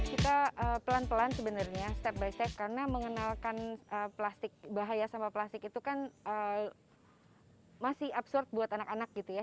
kita pelan pelan sebenarnya step by step karena mengenalkan plastik bahaya sampah plastik itu kan masih absorb buat anak anak gitu ya